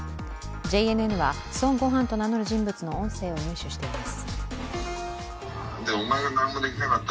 ＪＮＮは孫悟飯と名乗る人物の音声を入手しています。